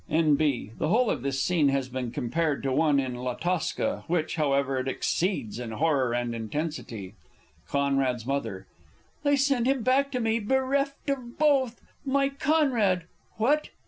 _ N.B. The whole of this scene has been compared to one in "La Tosca" which, however, it exceeds in horror and intensity. C.'s M. They send him back to me, bereft of both! My CONRAD! What?